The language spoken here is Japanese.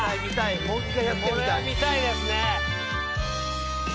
これは見たいですね。